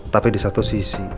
tapi di satu sisi